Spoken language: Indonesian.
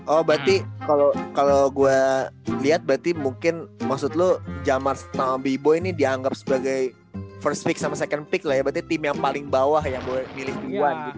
oh berarti kalo gua liat berarti mungkin maksud lu jamar sama bboy ini dianggap sebagai first pick sama second pick lah ya berarti tim yang paling bawah yang milih b satu gitu